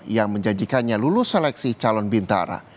yang menjanjikannya lulus seleksi calon bintara